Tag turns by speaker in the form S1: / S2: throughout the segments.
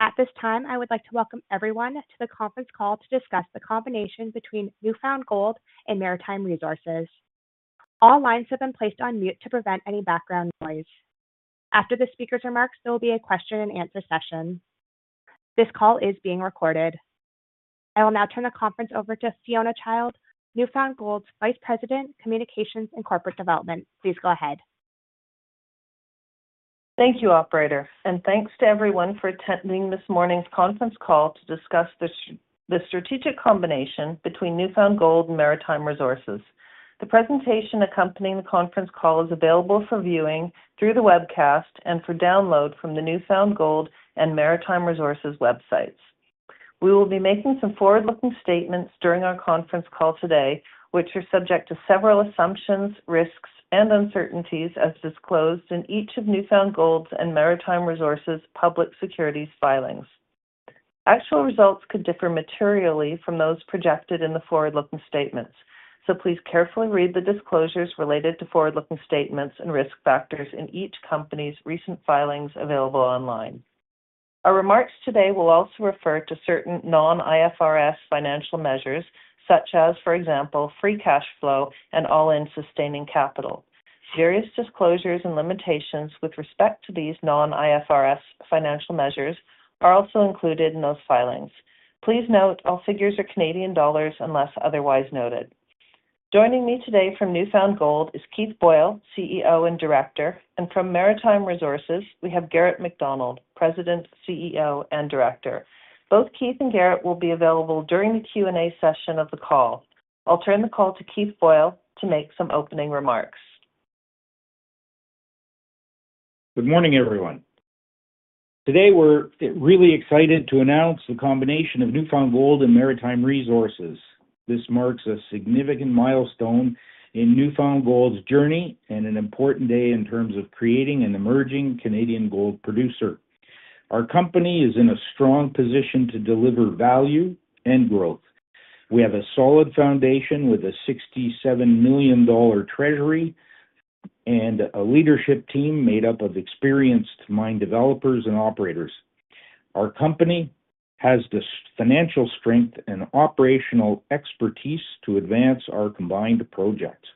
S1: At this time, I would like to welcome everyone to the conference call to discuss the combination between New Found Gold and Maritime Resources. All lines have been placed on mute to prevent any background noise. After the speaker's remarks, there will be a question and answer session. This call is being recorded. I will now turn the conference over to Fiona Child, New Found Gold's Vice President, Communications and Corporate Development. Please go ahead.
S2: Thank you, operator, and thanks to everyone for attending this morning's conference call to discuss the strategic combination between New Found Gold and Maritime Resources. The presentation accompanying the conference call is available for viewing through the webcast and for download from the New Found Gold and Maritime Resources websites. We will be making some forward-looking statements during our conference call today, which are subject to several assumptions, risks, and uncertainties, as disclosed in each of New Found Gold's and Maritime Resources' public securities filings. Actual results could differ materially from those projected in the forward-looking statements, so please carefully read the disclosures related to forward-looking statements and risk factors in each company's recent filings available online. Our remarks today will also refer to certain non-IFRS financial measures, such as, for example, free cash flow and all-in sustaining capital. Various disclosures and limitations with respect to these non-IFRS financial measures are also included in those filings. Please note, all figures are Canadian dollars unless otherwise noted. Joining me today from New Found Gold is Keith Boyle, CEO and Director, and from Maritime Resources, we have Garett Macdonald, President, CEO, and Director. Both Keith and Garett will be available during the Q&A session of the call. I'll turn the call to Keith Boyle to make some opening remarks.
S3: Good morning, everyone. Today, we're really excited to announce the combination of New Found Gold and Maritime Resources. This marks a significant milestone in New Found Gold's journey and an important day in terms of creating an emerging Canadian gold producer. Our company is in a strong position to deliver value and growth. We have a solid foundation with a 67 million dollar treasury and a leadership team made up of experienced mine developers and operators. Our company has the financial strength and operational expertise to advance our combined projects.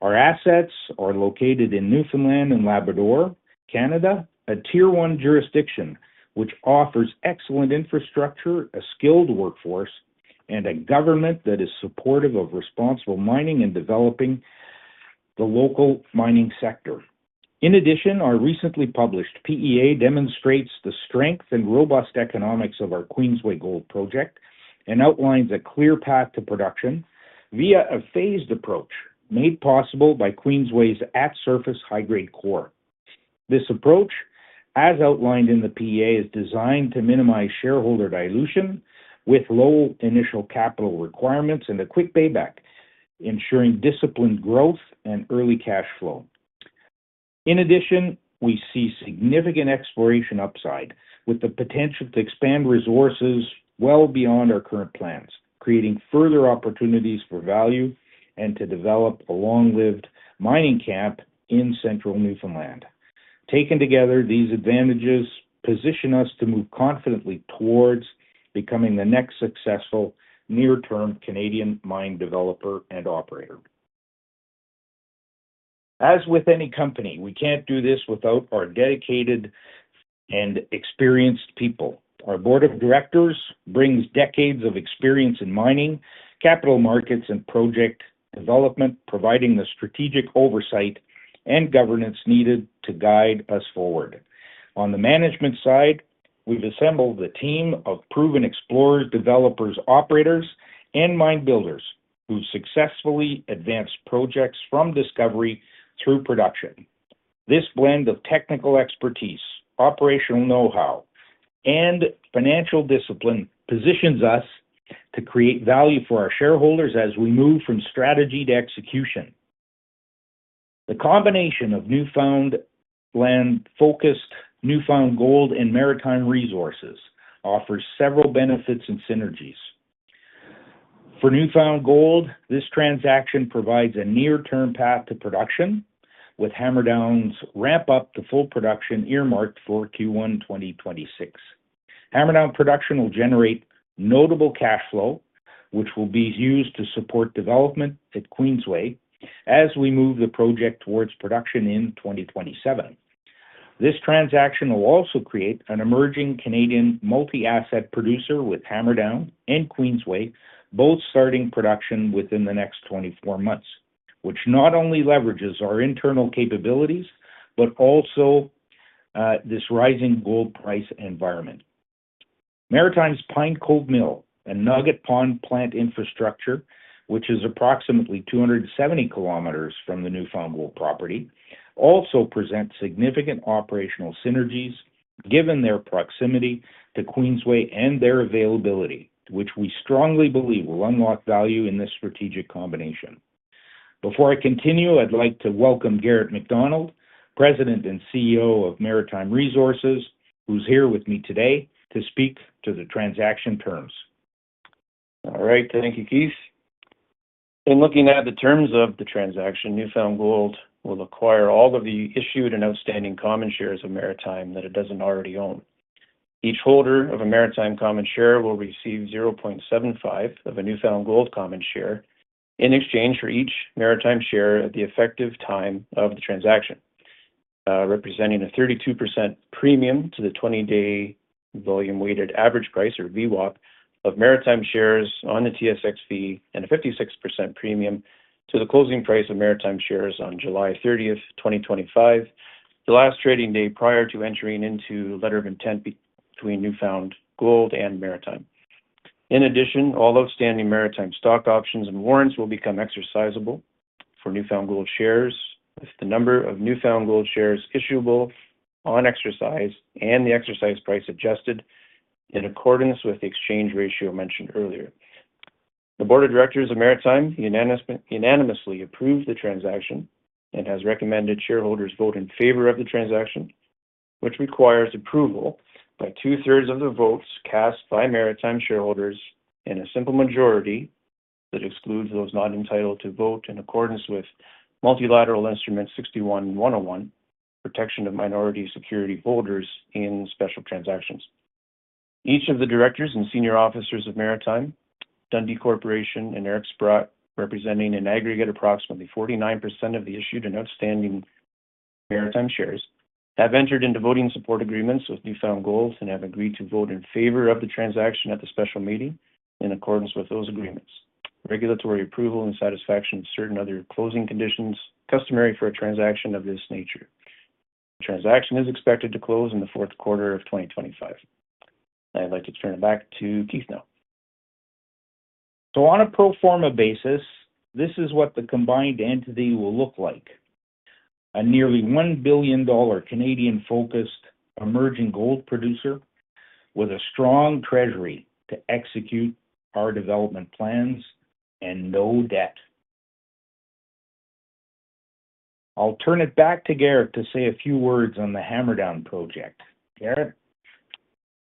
S3: Our assets are located in Newfoundland and Labrador, Canada, a Tier One jurisdiction, which offers excellent infrastructure, a skilled workforce, and a government that is supportive of responsible mining and developing the local mining sector. In addition, our recently published PEA demonstrates the strength and robust economics of our Queensway Gold Project and outlines a clear path to production via a phased approach made possible by Queensway's at-surface high-grade core. This approach, as outlined in the PEA, is designed to minimize shareholder dilution with low initial capital requirements and a quick payback, ensuring disciplined growth and early cash flow. In addition, we see significant exploration upside, with the potential to expand resources well beyond our current plans, creating further opportunities for value and to develop a long-lived mining camp in central Newfoundland. Taken together, these advantages position us to move confidently towards becoming the next successful near-term Canadian mine developer and operator. As with any company, we can't do this without our dedicated and experienced people. Our board of directors brings decades of experience in mining, capital markets, and project development, providing the strategic oversight and governance needed to guide us forward. On the management side, we've assembled a team of proven explorers, developers, operators, and mine builders who successfully advanced projects from discovery through production. This blend of technical expertise, operational know-how, and financial discipline positions us to create value for our shareholders as we move from strategy to execution. The combination of Newfoundland-focused New Found Gold and Maritime Resources offers several benefits and synergies. For New Found Gold, this transaction provides a near-term path to production, with Hammerdown's ramp-up to full production earmarked for Q1, 2026. Hammerdown production will generate notable cash flow, which will be used to support development at Queensway as we move the project towards production in 2027. This transaction will also create an emerging Canadian multi-asset producer, with Hammerdown and Queensway both starting production within the next 24 months, which not only leverages our internal capabilities, but also this rising gold price environment. Maritime's Pine Cove Mill and Nugget Pond plant infrastructure, which is approximately 270 km from the New Found Gold property, also presents significant operational synergies, given their proximity to Queensway and their availability, which we strongly believe will unlock value in this strategic combination. Before I continue, I'd like to welcome Garett Macdonald, President and CEO of Maritime Resources, who's here with me today to speak to the transaction terms.
S4: All right. Thank you, Keith. In looking at the terms of the transaction, New Found Gold will acquire all of the issued and outstanding common shares of Maritime that it doesn't already own. Each holder of a Maritime common share will receive 0.75 of a New Found Gold common share in exchange for each Maritime share at the effective time of the transaction, representing a 32% premium to the twenty-day volume weighted average price, or VWAP, of Maritime shares on the TSX-V, and a 56% premium to the closing price of Maritime shares on July thirtieth, 2025, the last trading day prior to entering into a letter of intent between New Found Gold and Maritime. In addition, all outstanding Maritime stock options and warrants will become exercisable for New Found Gold shares if the number of New Found Gold shares issuable on exercise and the exercise price adjusted in accordance with the exchange ratio mentioned earlier. The board of directors of Maritime unanimously approved the transaction and has recommended shareholders vote in favor of the transaction, which requires approval by two-thirds of the votes cast by Maritime shareholders in a simple majority that excludes those not entitled to vote in accordance with Multilateral Instrument 61-101, Protection of Minority Security Holders in Special Transactions. Each of the directors and senior officers of Maritime, Dundee Corporation, and Eric Sprott, representing an aggregate approximately 49% of the issued and outstanding Maritime shares, have entered into voting support agreements with New Found Gold and have agreed to vote in favor of the transaction at the special meeting in accordance with those agreements. Regulatory approval and satisfaction of certain other closing conditions customary for a transaction of this nature. The transaction is expected to close in the fourth quarter of 2025. I'd like to turn it back to Keith now.
S3: So on a pro forma basis, this is what the combined entity will look like. A nearly 1 billion dollar Canadian-focused emerging gold producer with a strong treasury to execute our development plans and no debt. I'll turn it back to Garett to say a few words on the Hammerdown project. Garett?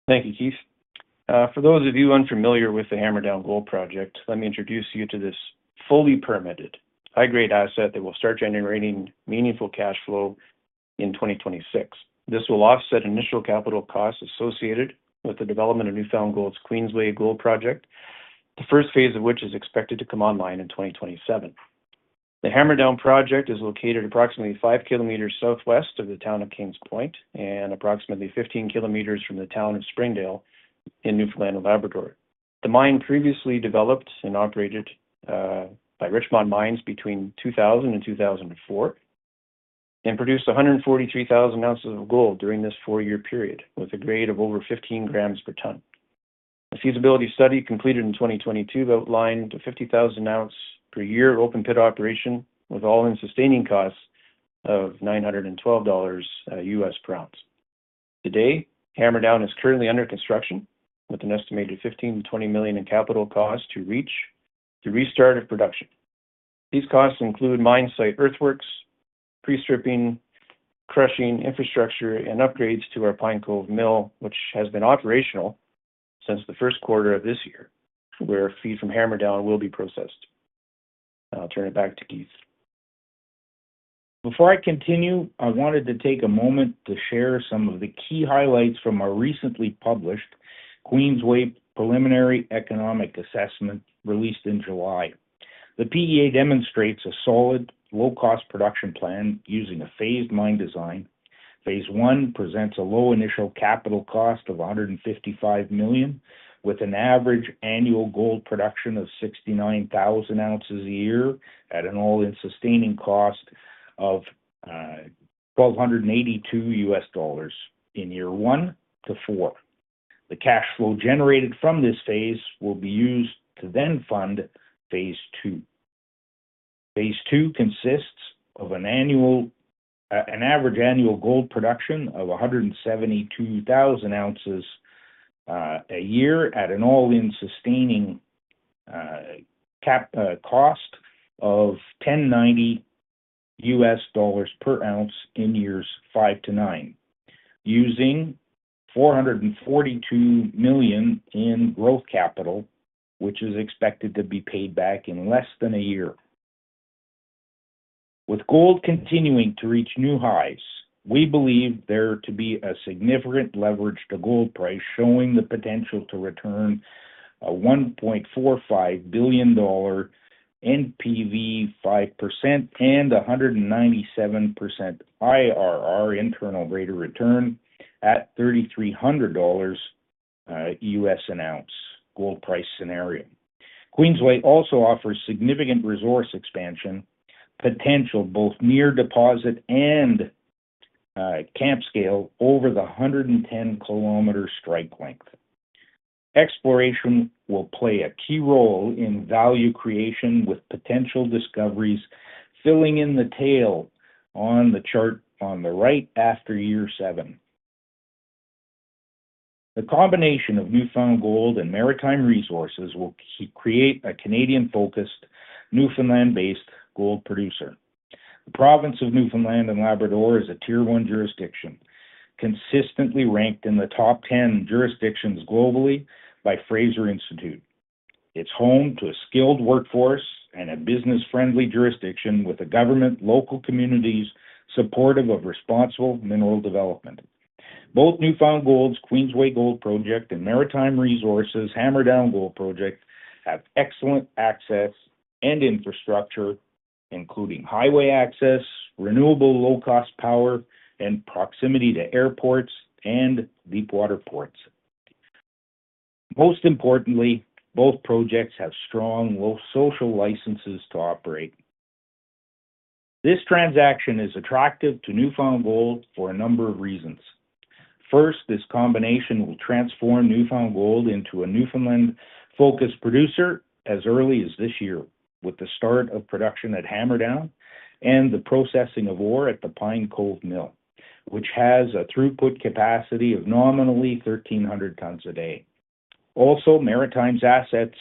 S4: Thank you, Keith. For those of you unfamiliar with the Hammerdown Gold Project, let me introduce you to this fully permitted, high-grade asset that will start generating meaningful cash flow in 2026. This will offset initial capital costs associated with the development of New Found Gold's Queensway Gold Project, the first phase of which is expected to come online in 2027. The Hammerdown Project is located approximately five kilometers southwest of the town of King's Point, and approximately 15 kilometers from the town of Springdale in Newfoundland and Labrador. The mine previously developed and operated by Richmont Mines between 2000 and 2004, and produced 143,000 ounces of gold during this four-year period, with a grade of over 15 grams per ton. A feasibility study completed in 2022 outlined a 50,000-ounce per year open pit operation, with all-in sustaining costs of $912 USD. Today, Hammerdown is currently under construction, with an estimated 15 million-20 million in capital costs to reach the restart of production. These costs include mine site earthworks, pre-stripping, crushing infrastructure, and upgrades to our Pine Cove mill, which has been operational since the first quarter of this year, where feed from Hammerdown will be processed. I'll turn it back to Keith.
S3: Before I continue, I wanted to take a moment to share some of the key highlights from our recently published Queensway Preliminary Economic Assessment, released in July. The PEA demonstrates a solid, low-cost production plan using a phased mine design. phase I presents a low initial capital cost of 155 million, with an average annual gold production of 69,000 ounces a year at an all-in sustaining cost of $1,282 in year one to four. The cash flow generated from this phase will be used to then fund phase II. Phase II consists of an average annual gold production of 172,000 ounces a year at an all-in sustaining cost of $1,090 per ounce in years five to nine, using $442 million in growth capital, which is expected to be paid back in less than a year. With gold continuing to reach new highs, we believe there to be a significant leverage to gold price, showing the potential to return a $1.45 billion NPV 5%, and a 197% IRR, internal rate of return, at $3,300 US per ounce gold price scenario. Queensway also offers significant resource expansion potential both near deposit and camp scale over the 110-kilometer strike length. Exploration will play a key role in value creation, with potential discoveries filling in the tail on the chart on the right after year seven. The combination of New Found Gold and Maritime Resources will create a Canadian-focused, Newfoundland-based gold producer. The province of Newfoundland and Labrador is a Tier One jurisdiction, consistently ranked in the top ten jurisdictions globally by Fraser Institute. It's home to a skilled workforce and a business-friendly jurisdiction, with a government, local communities supportive of responsible mineral development. Both New Found Gold's Queensway Gold Project and Maritime Resources' Hammerdown Gold Project have excellent access and infrastructure, including highway access, renewable low-cost power, and proximity to airports and deepwater ports. Most importantly, both projects have strong, low social licenses to operate. This transaction is attractive to New Found Gold for a number of reasons. First, this combination will transform New Found Gold into a Newfoundland-focused producer as early as this year, with the start of production at Hammerdown and the processing of ore at the Pine Cove Mill, which has a throughput capacity of nominally 1,300 tons a day. Also, Maritime's assets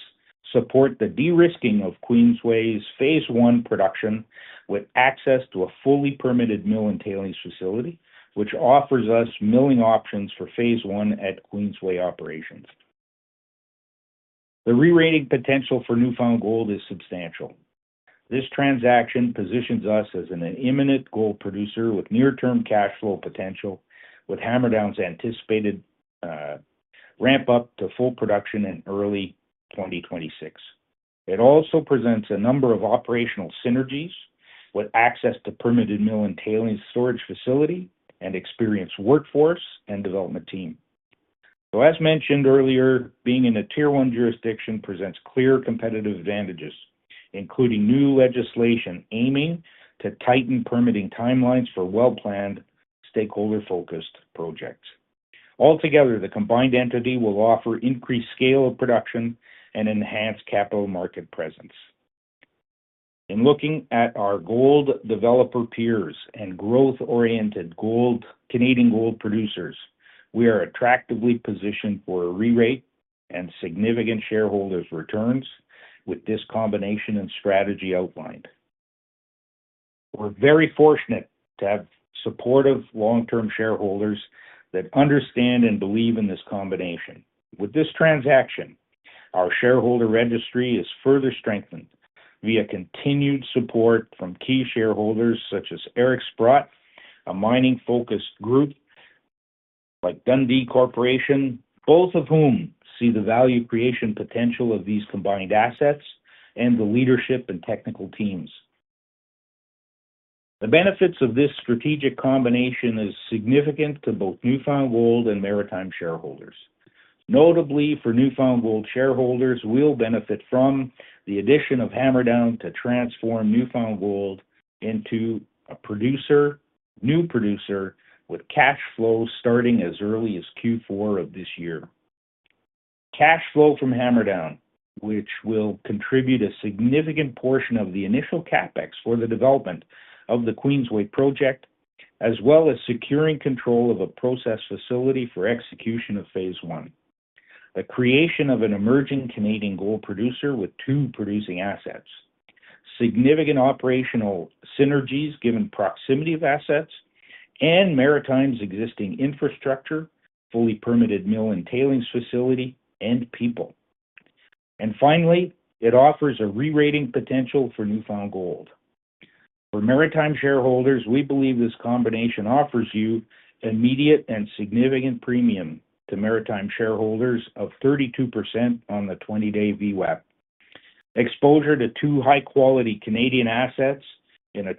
S3: support the de-risking of Queensway's phase I production, with access to a fully permitted mill and tailings facility, which offers us milling options for phase I at Queensway operations. The rerating potential for New Found Gold is substantial. This transaction positions us as an imminent gold producer with near-term cash flow potential, with Hammerdown's anticipated ramp-up to full production in early 2026. It also presents a number of operational synergies with access to permitted mill and tailings storage facility and experienced workforce and development team. So as mentioned earlier, being in a Tier One jurisdiction presents clear competitive advantages, including new legislation aiming to tighten permitting timelines for well-planned, stakeholder-focused projects. Altogether, the combined entity will offer increased scale of production and enhanced capital market presence. In looking at our gold developer peers and growth-oriented gold, Canadian gold producers, we are attractively positioned for a rerate and significant shareholders' returns with this combination and strategy outlined. We're very fortunate to have supportive long-term shareholders that understand and believe in this combination. With this transaction, our shareholder registry is further strengthened via continued support from key shareholders such as Eric Sprott, a mining-focused group like Dundee Corporation, both of whom see the value creation potential of these combined assets and the leadership and technical teams. The benefits of this strategic combination is significant to both New Found Gold and Maritime shareholders. Notably for New Found Gold shareholders, will benefit from the addition of Hammerdown to transform New Found Gold into a producer, new producer, with cash flows starting as early as Q4 of this year. Cash flow from Hammerdown, which will contribute a significant portion of the initial CapEx for the development of the Queensway project, as well as securing control of a process facility for execution of phase I. The creation of an emerging Canadian gold producer with two producing assets, significant operational synergies, given proximity of assets, and Maritime's existing infrastructure, fully permitted mill and tailings facility, and people, and finally, it offers a rerating potential for New Found Gold. For Maritime shareholders, we believe this combination offers you immediate and significant premium to Maritime shareholders of 32% on the 20-day VWAP. Exposure to two high-quality Canadian assets in a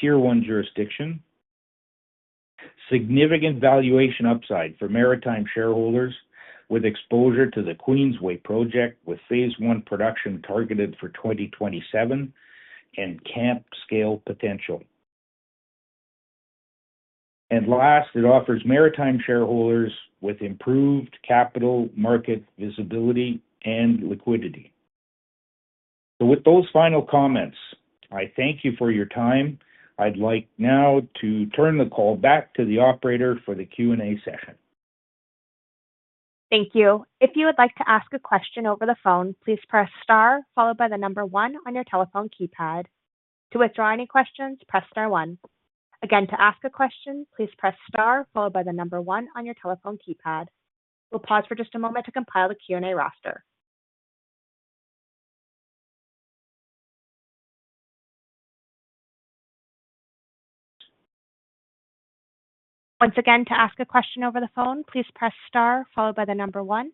S3: Tier One jurisdiction, significant valuation upside for Maritime shareholders, with exposure to the Queensway project, with phase I production targeted for twenty twenty-seven and camp-scale potential. And last, it offers Maritime shareholders with improved capital market visibility and liquidity. So with those final comments, I thank you for your time. I'd like now to turn the call back to the operator for the Q&A session.
S1: Thank you. If you would like to ask a question over the phone, please press star, followed by the number one on your telephone keypad. To withdraw any questions, press star one. Again, to ask a question, please press star, followed by the number one on your telephone keypad. We'll pause for just a moment to compile the Q&A roster. Once again, to ask a question over the phone, please press star, followed by the number one.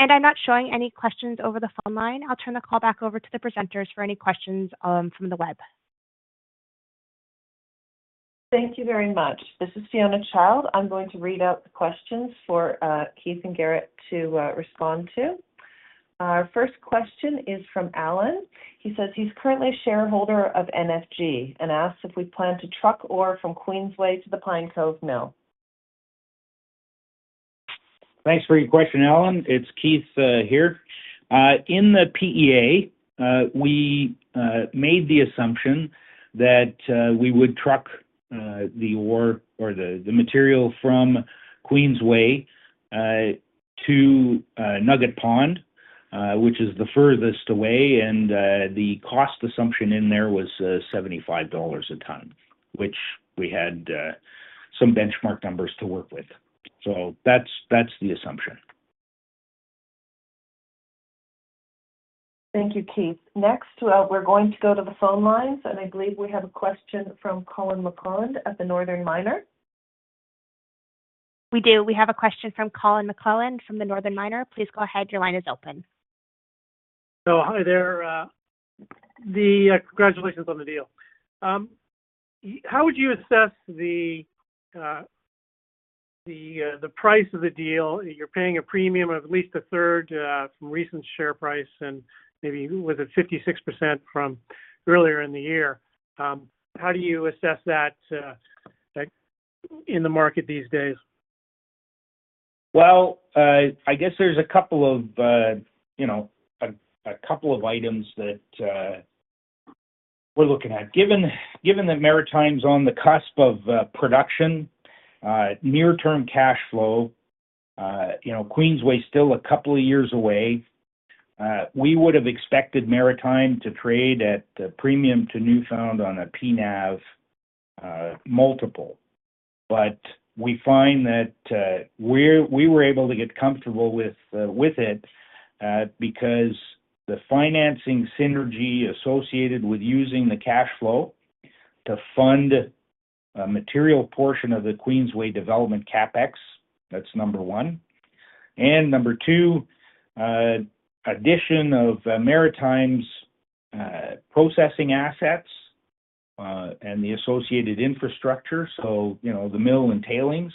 S1: And I'm not showing any questions over the phone line. I'll turn the call back over to the presenters for any questions from the web.
S2: Thank you very much. This is Fiona Child. I'm going to read out the questions for Keith and Garett to respond to. Our first question is from Alan. He says he's currently a shareholder of NFG and asks if we plan to truck ore from Queensway to the Pine Cove Mill.
S3: Thanks for your question, Alan. It's Keith here. In the PEA, we made the assumption that we would truck the ore or the material from Queensway to Nugget Pond, which is the furthest away. And the cost assumption in there was 75 dollars a ton, which we had some benchmark numbers to work with. So that's the assumption.
S2: Thank you, Keith. Next, we're going to go to the phone lines, and I believe we have a question from Colin McClelland at The Northern Miner.
S1: We do. We have a question from Colin McClelland from The Northern Miner. Please go ahead. Your line is open. Hi there. Congratulations on the deal. How would you assess the price of the deal? You're paying a premium of at least a third from recent share price, and maybe, was it 56% from earlier in the year. How do you assess that, like, in the market these days?
S3: Well. I guess there's a couple of, you know, couple of items that we're looking at. Given that Maritime's on the cusp of production, near-term cashflow, you know, Queensway is still a couple of years away, we would've expected Maritime to trade at a premium to New Found on a P/NAV multiple. But we find that we were able to get comfortable with it because the financing synergy associated with using the cash flow to fund a material portion of the Queensway development CapEx, that's number one, and number two, addition of Maritime's processing assets and the associated infrastructure, so, you know, the mill and tailings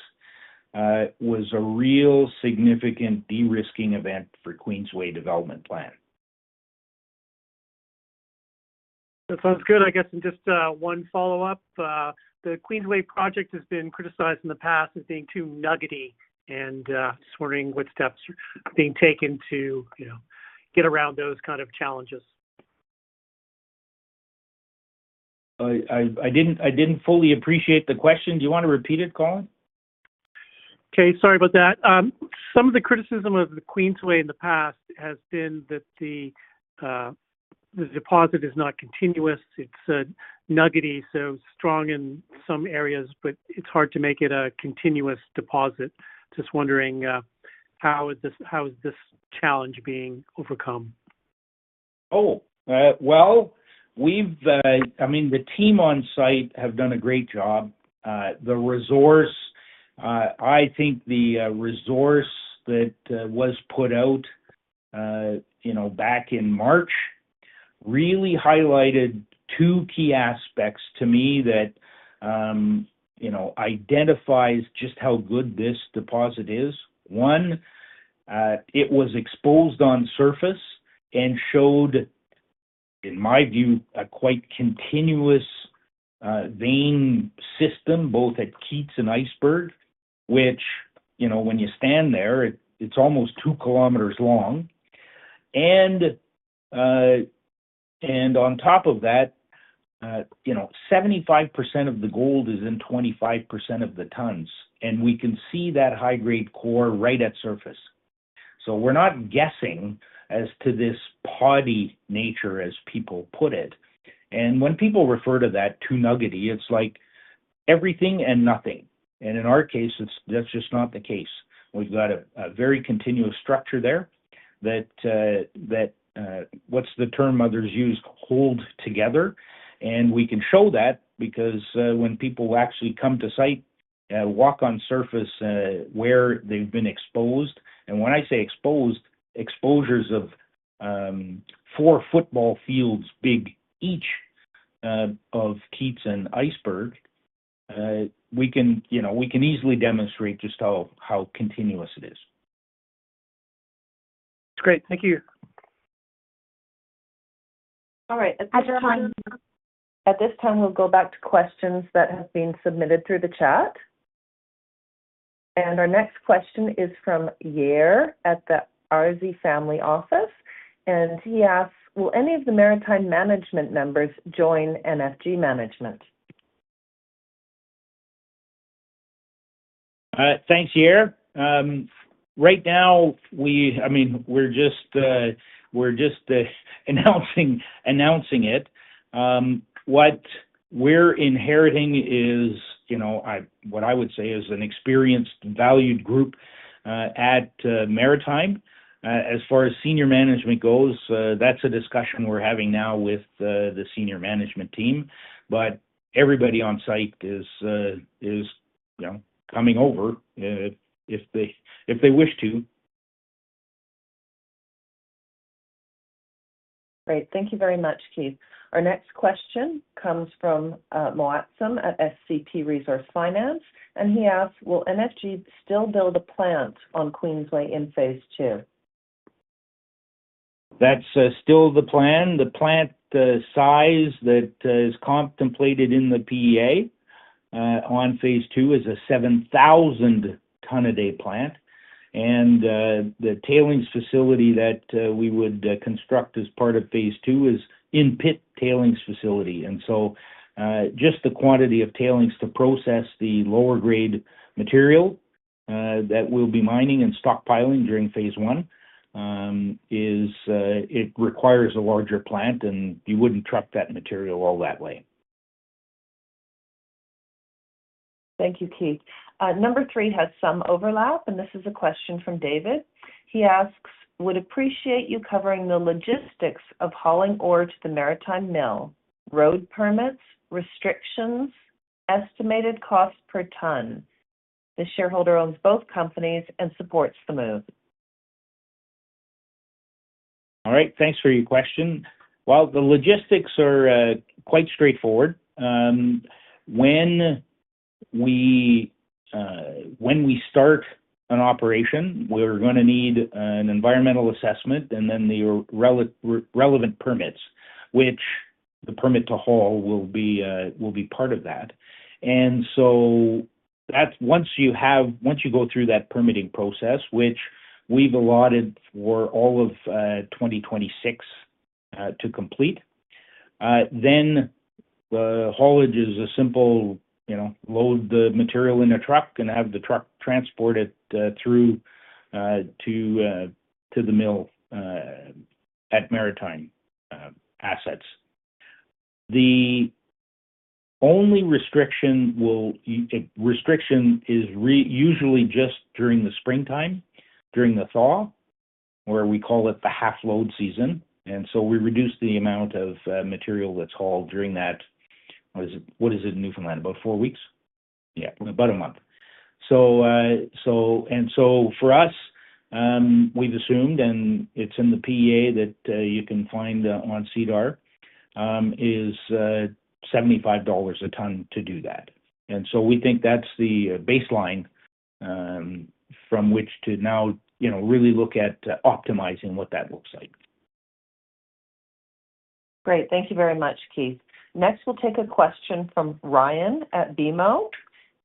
S3: was a real significant de-risking event for Queensway development plan.
S5: That sounds good. I guess just one follow-up. The Queensway project has been criticized in the past as being too nuggety, and just wondering what steps are being taken to, you know, get around those kind of challenges.
S3: I didn't fully appreciate the question. Do you want to repeat it, Colin?
S5: Okay, sorry about that. Some of the criticism of the Queensway in the past has been that the deposit is not continuous, it's nuggety, so strong in some areas, but it's hard to make it a continuous deposit. Just wondering, how is this challenge being overcome?
S3: Well, we've I mean, the team on site have done a great job. The resource, I think, that was put out, you know, back in March, really highlighted two key aspects to me that, you know, identifies just how good this deposit is. One, it was exposed on surface and showed, in my view, a quite continuous vein system, both at Keats and Iceberg, which, you know, when you stand there, it, it's almost two kilometers long. And on top of that, you know, 75% of the gold is in 25% of the tons, and we can see that high-grade core right at surface. So we're not guessing as to this poddy nature, as people put it. And when people refer to that, too nuggety, it's like everything and nothing. And in our case, it's. That's just not the case. We've got a very continuous structure there that, that, what's the term others use? Holds together. And we can show that because, when people actually come to site, walk on surface, where they've been exposed, and when I say exposed, exposures of four football fields big each, of Keats and Iceberg, we can, you know, we can easily demonstrate just how continuous it is.
S5: It's great. Thank you.
S2: All right.
S1: At this time-
S2: At this time, we'll go back to questions that have been submitted through the chat, and our next question is from Yair at the RZ Family Office, and he asks: "Will any of the Maritime management members join NFG management?
S3: Thanks, Yair. Right now, I mean, we're just announcing it. What we're inheriting is, you know, what I would say is an experienced, valued group at Maritime. As far as senior management goes, that's a discussion we're having now with the senior management team, but everybody on site is, you know, coming over, if they wish to.
S2: Great. Thank you very much, Keith. Our next question comes from Moatsam at SCP Resource Finance, and he asks, "Will NFG still build a plant on Queensway in phase II?
S3: That's still the plan. The plant size that is contemplated in the PEA on phase II is a 7,000 ton a day plant, and the tailings facility that we would construct as part of phase II is in-pit tailings facility, and so just the quantity of tailings to process the lower grade material that we'll be mining and stockpiling during phase I is, it requires a larger plant, and you wouldn't truck that material all that way.
S2: Thank you, Keith. Number three has some overlap, and this is a question from David. He asks, "Would appreciate you covering the logistics of hauling ore to the Maritime Mill. Road permits, restrictions, estimated cost per ton. This shareholder owns both companies and supports the move.
S3: All right, thanks for your question. The logistics are quite straightforward. When we start an operation, we're gonna need an environmental assessment, and then the relevant permits, which the permit to haul will be part of that. Once you go through that permitting process, which we've allotted for all of 2026 to complete, then the haulage is a simple, you know, load the material in a truck and have the truck transport it through to the mill at Maritime assets. The only restriction is usually just during the springtime, during the thaw, where we call it the half load season, and so we reduce the amount of material that's hauled during that. What is it in Newfoundland? About four weeks? Yeah, about a month. So, so and so for us, we've assumed, and it's in the PEA that you can find on SEDAR is 75 dollars a ton to do that. And so we think that's the baseline from which to now, you know, really look at optimizing what that looks like.
S2: Great. Thank you very much, Keith. Next, we'll take a question from Ryan at BMO,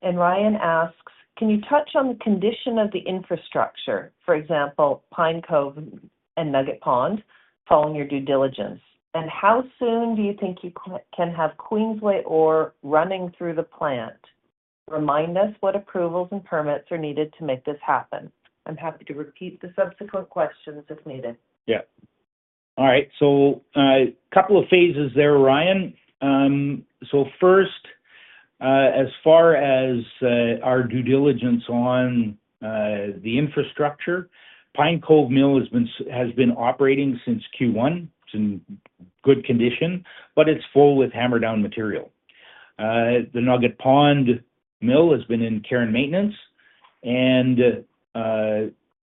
S2: and Ryan asks: "Can you touch on the condition of the infrastructure? For example, Pine Cove and Nugget Pond, following your due diligence. And how soon do you think you can have Queensway ore running through the plant? Remind us what approvals and permits are needed to make this happen." I'm happy to repeat the subsequent questions if needed.
S3: Yeah. All right, so, couple of phases there, Ryan. So first, as far as our due diligence on the infrastructure, Pine Cove Mill has been operating since Q1. It's in good condition, but it's full with Hammerdown material. The Nugget Pond Mill has been in care and maintenance and,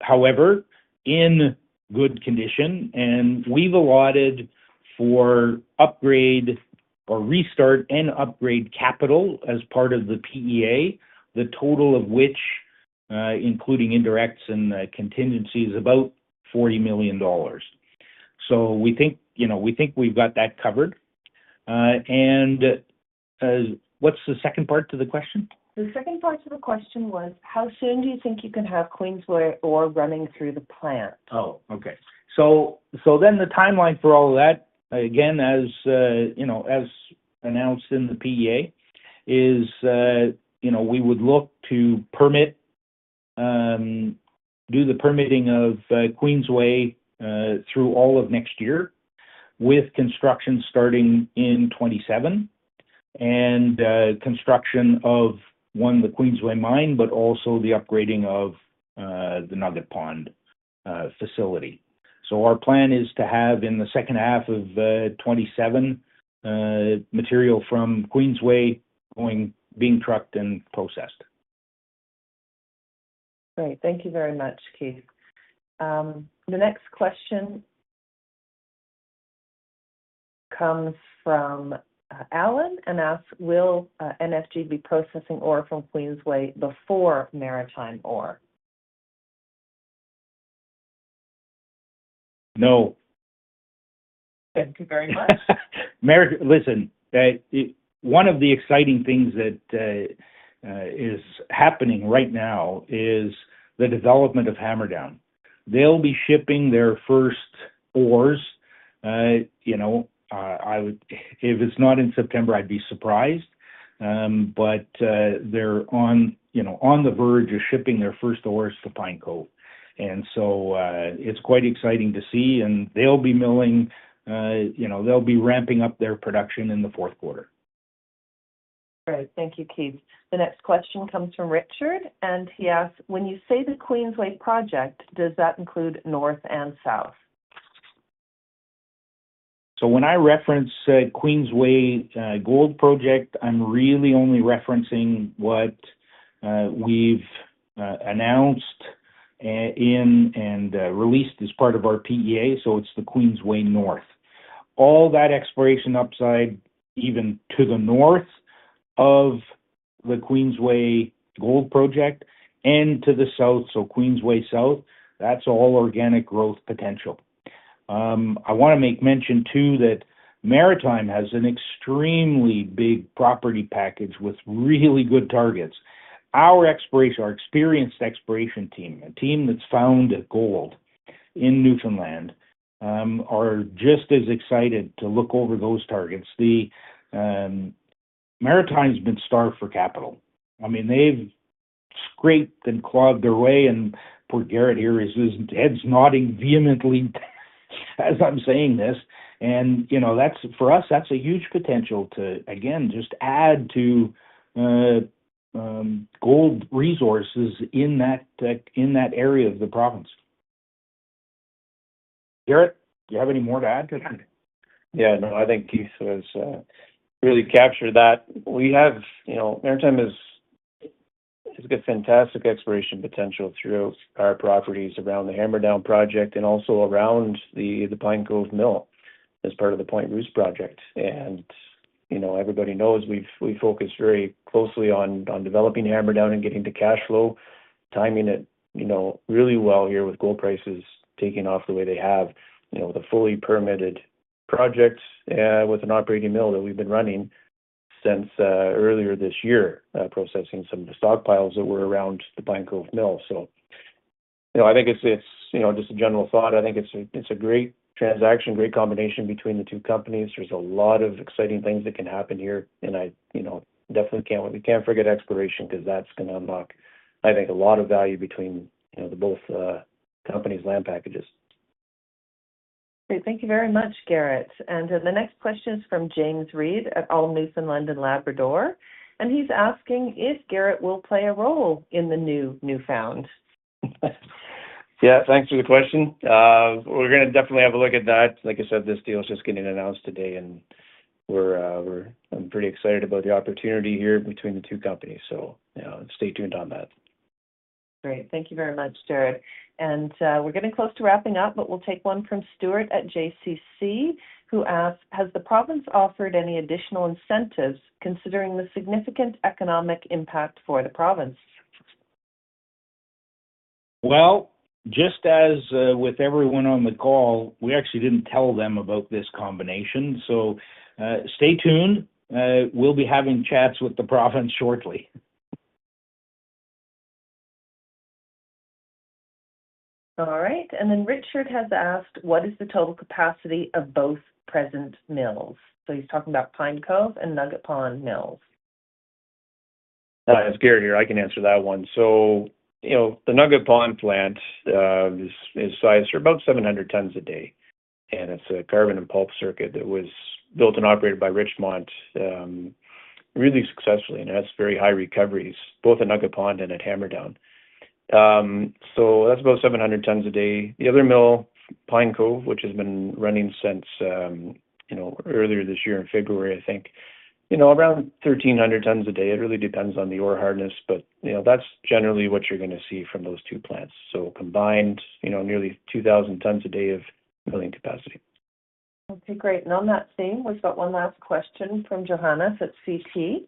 S3: however, in good condition. And we've allotted for upgrade or restart and upgrade capital as part of the PEA, the total of which, including indirects and contingencies, about 40 million dollars. So we think, you know, we think we've got that covered. And, what's the second part to the question?
S2: The second part to the question was, how soon do you think you can have Queensway ore running through the plant?
S3: Oh, okay. So, so then the timeline for all of that, again, as you know, as announced in the PEA, is, you know, we would look to permit, do the permitting of Queensway through all of next year, with construction starting in 2027, and construction of the Queensway mine, but also the upgrading of the Nugget Pond facility. So our plan is to have, in the second half of 2027, material from Queensway going, being trucked and processed.
S2: Great. Thank you very much, Keith. The next question comes from Alan, and asks, "Will NFG be processing ore from Queensway before Maritime ore?
S3: No.
S2: Thank you very much.
S3: Listen, one of the exciting things that is happening right now is the development of Hammerdown. They'll be shipping their first ores, you know, if it's not in September, I'd be surprised. But they're on, you know, on the verge of shipping their first ores to Pine Cove, and so it's quite exciting to see. And they'll be milling, you know, they'll be ramping up their production in the fourth quarter.
S2: Great. Thank you, Keith. The next question comes from Richard, and he asks, "When you say the Queensway project, does that include North and South?
S3: So when I reference Queensway Gold Project, I'm really only referencing what we've announced and released as part of our PEA, so it's the Queensway North. All that exploration upside, even to the north of the Queensway Gold Project and to the south, so Queensway South, that's all organic growth potential. I wanna make mention too that Maritime has an extremely big property package with really good targets. Our exploration, our experienced exploration team, a team that's found gold in Newfoundland, are just as excited to look over those targets. The Maritime's been starved for capital. I mean, they've scraped and clawed their way, and poor Garett here, his head's nodding vehemently as I'm saying this, and, you know, that's, for us, that's a huge potential to, again, just add to, gold resources in that area of the province. Garett, do you have any more to add to it?
S4: Yeah, no, I think Keith has really captured that. We have, you know, Maritime is, has got fantastic exploration potential throughout our properties around the Hammerdown project and also around the Pine Cove Mill as part of the Point Rousse project. And, you know, everybody knows we've focused very closely on developing Hammerdown and getting the cash flow, timing it, you know, really well here, with gold prices taking off the way they have. You know, the fully permitted projects, with an operating mill that we've been running since earlier this year, processing some of the stockpiles that were around the Pine Cove Mill. So, you know, I think it's just a general thought. I think it's a great transaction, great combination between the two companies. There's a lot of exciting things that can happen here, and I, you know, definitely can't, we can't forget exploration because that's gonna unlock, I think, a lot of value between, you know, the both companies' land packages.
S2: Great. Thank you very much, Garett. And the next question is from James Reed at Allen, Moore & London, Labrador, and he's asking if Garett will play a role in the new New Found.
S4: Yeah, thanks for the question. We're gonna definitely have a look at that. Like I said, this deal is just getting announced today, and we're, I'm pretty excited about the opportunity here between the two companies, so, you know, stay tuned on that.
S2: Great. Thank you very much, Garett. And, we're getting close to wrapping up, but we'll take one from Stuart at JCC, who asks, "Has the province offered any additional incentives, considering the significant economic impact for the province?
S3: Well. Just as with everyone on the call, we actually didn't tell them about this combination, so stay tuned. We'll be having chats with the province shortly.
S2: All right, and then Richard has asked, "What is the total capacity of both present mills?" He's talking about Pine Cove and Nugget Pond Mills.
S4: It's Garett here. I can answer that one. So, you know, the Nugget Pond plant is sized for about 700 tons a day, and it's a carbon and pulp circuit that was built and operated by Richmont really successfully, and it has very high recoveries, both at Nugget Pond and at Hammerdown. So that's about 700 tons a day. The other mill, Pine Cove, which has been running since you know, earlier this year in February, I think, you know, around 1,300 tons a day. It really depends on the ore hardness, but you know, that's generally what you're gonna see from those two plants. So combined, you know, nearly 2,000 tons a day of milling capacity.
S2: Okay, great. And on that theme, we've got one last question from Johannes at CT,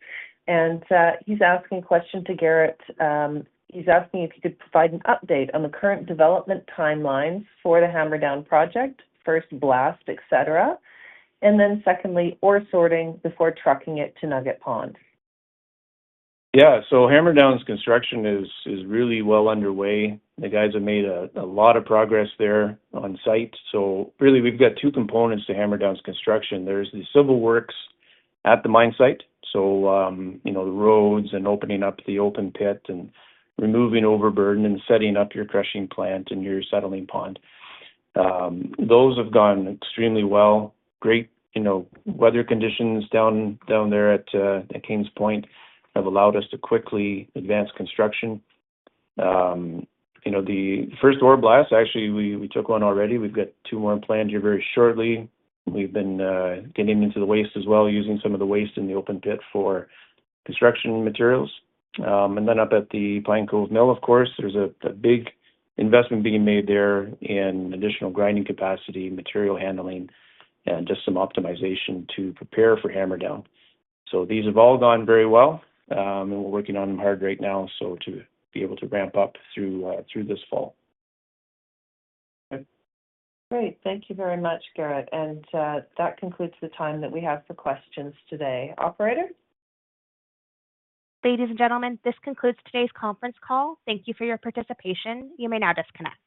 S2: and he's asking a question to Garett. He's asking if you could provide an update on the current development timelines for the Hammerdown project, first blast, et cetera. And then secondly, ore sorting before trucking it to Nugget Pond.
S4: Yeah, so Hammerdown's construction is really well underway. The guys have made a lot of progress there on site. So really we've got two components to Hammerdown's construction. There's the civil works at the mine site, so you know, the roads and opening up the open pit and removing overburden and setting up your crushing plant and your settling pond. Those have gone extremely well. Great, you know, weather conditions down there at King's Point have allowed us to quickly advance construction. You know, the first ore blast, actually, we took one already. We've got two more planned here very shortly. We've been getting into the waste as well, using some of the waste in the open pit for construction materials. And then up at the Pine Cove Mill, of course, there's a big investment being made there in additional grinding capacity, material handling, and just some optimization to prepare for Hammerdown. So these have all gone very well, and we're working on them hard right now, so to be able to ramp up through this fall.
S2: Great. Thank you very much, Garett. And, that concludes the time that we have for questions today. Operator?
S1: Ladies and gentlemen, this concludes today's conference call. Thank you for your participation. You may now disconnect.